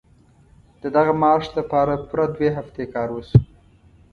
د دغه مارش لپاره پوره دوه هفتې کار وشو.